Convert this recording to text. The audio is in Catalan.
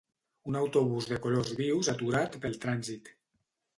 Un autobús de colors vius aturat pel trànsit.